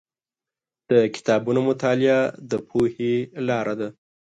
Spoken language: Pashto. د کتابونو مطالعه د پوهې لاره ده.